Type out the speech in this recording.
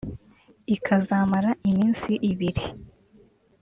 ikazamara iminsi ibiri